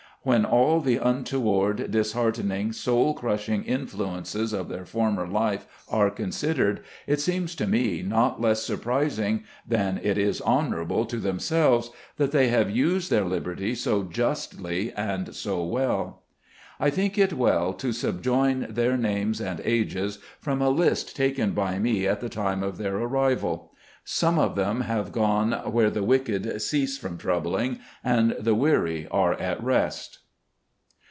When all the untoward, disheart ening, soul crushing influences of their former life are considered, it seems to me not less surprising, than it is honorable to themselves, that they have used their liberty so justly and so well. I think it well to subjoin their names and ages, from a list taken by me at the time of their arrival. Some of them have gone "where the wicked cease from troubling, and the weary are at rest."